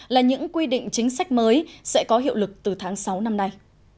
là những quy định chính sách mới sẽ có hiệu lực từ tháng sáu năm nay